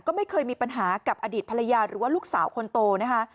ก็ไม่เคยมีปัญหากับอดีตภรรยาหรือว่าลูกสาวคนโตนะคะ